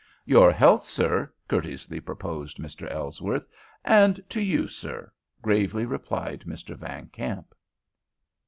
"Your health, sir," courteously proposed Mr. Ellsworth. "And to you, sir," gravely replied Mr. Van Kamp.